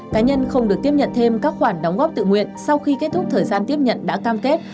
cá nhân không được tiếp nhận thêm các khoản đóng góp tự nguyện sau khi kết thúc thời gian tiếp nhận đã cam kết